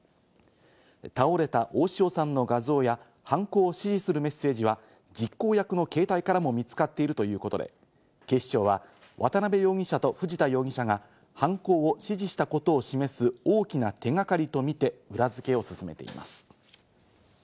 倒れた大塩さんの画像や、犯行を指示するメッセージは実行役の携帯からも見つかっているということで、警視庁は渡辺容疑者と藤田容疑者が犯行を指示したことを示す大きな手掛かりとみて裏付けを進めています。